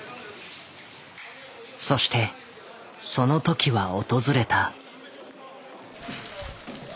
そしてそのときは訪れた。